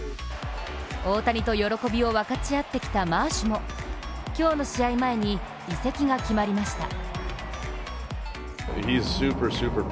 大谷と喜びを分かち合ってきたマーシュも今日の試合前に移籍が決まりました。